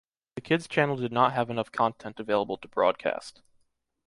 The kid's channel did not have enough content available to broadcast.